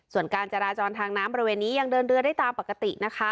ส่วนการจราจรทางน้ำบริเวณนี้ยังเดินเรือได้ตามปกตินะคะ